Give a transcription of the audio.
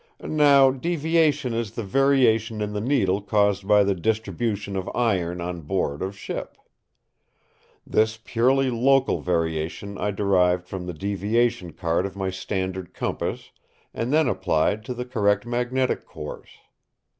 Now Deviation is the variation in the needle caused by the distribution of iron on board of ship. This purely local variation I derived from the deviation card of my standard compass and then applied to the Correct Magnetic Course.